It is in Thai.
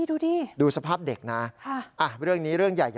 อุ๊ยดูดิ